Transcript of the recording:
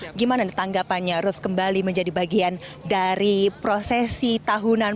bagaimana tanggapannya ruth kembali menjadi bagian dari prosesi tahunan